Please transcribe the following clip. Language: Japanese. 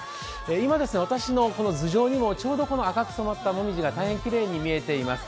今、私の頭上にも赤く染まったもみじが大変きれいに見えています。